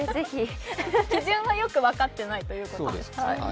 基準はよく分かっていないということです。